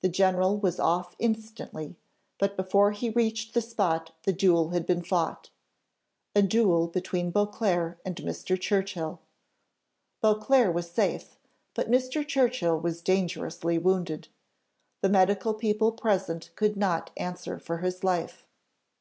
The general was off instantly, but before he reached the spot the duel had been fought. A duel between Beauclerc and Mr. Churchill. Beauclerc was safe, but Mr. Churchill was dangerously wounded; the medical people present could not answer for his life.